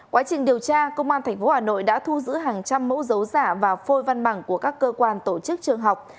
quá trình điều tra công an tp hà nội đã thu giữ hàng trăm mẫu dấu giả và phôi văn bằng của các cơ quan tổ chức trường học